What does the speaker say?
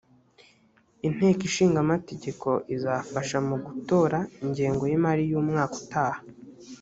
inteko ishinga amategeko izafasha mu gutora ingengo y’ imari yumwaka utaha.